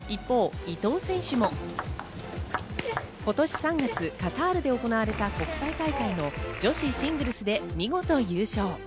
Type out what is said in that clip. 一方、伊藤選手も今年３月、カタールで行われた国際大会の女子シングルスで見事優勝。